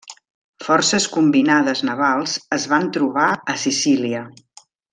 Forces combinades navals es van trobar a Sicília.